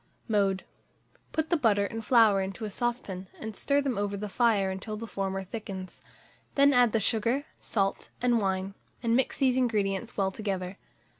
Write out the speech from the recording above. Mode. Put the butter and flour into a saucepan, and stir them over the fire until the former thickens; then add the sugar, salt, and wine, and mix these ingredients well together.